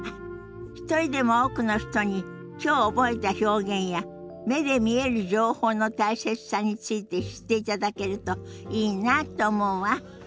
一人でも多くの人にきょう覚えた表現や目で見える情報の大切さについて知っていただけるといいなって思うわ。